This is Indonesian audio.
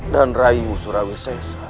dan rayu surawi sesah